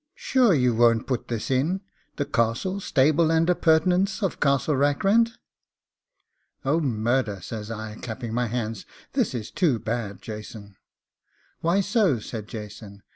sure you won't put this in the castle, stable, and appurtenances of Castle Rackrent?' 'Oh, murder!' says I, clapping my hands; 'this is too bad, Jason.' 'Why so?' said Jason.